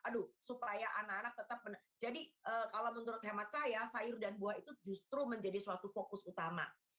aduh supaya anak anak tetap jadi kalau menurut hemat saya sayur dan buah itu justru menjadi suatu fokus utama